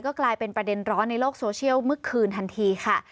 กลายเป็นประเด็นร้อนในโลกโซเชียลเมื่อคืนทันทีค่ะ